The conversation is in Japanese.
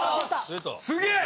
すげえ！